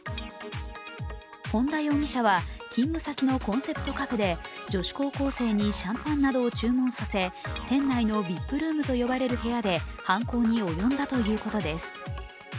本田容疑者は勤務先のコンセプトカフェで女子高校生にシャンパンなどを注文させ、店内のＶＩＰルームと呼ばれる部屋で犯行に及んだということです。